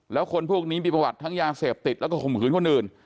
แล้วคนพวกนี้มีประวัติทั้งยาเสพติดแล้วก็ข่มขืนคนอื่น